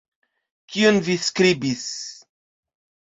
Kion vi skribis?